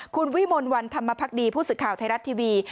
คุณวิมลวันธรรมพักดีผู้สื่อข่าวไทยรัฐทีวี